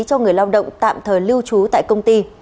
cho người lao động tạm thời lưu trú tại công ty